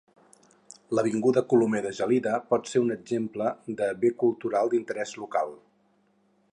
L'Avinguda Colomer de Gelida pot ser un exemple de bé cultural d'interés local.